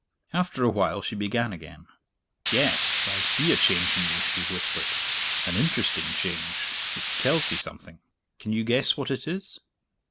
After a while, she began again. "Yes; I see a change in you," she whispered "an interesting change which tells me something. Can you guess what it is?"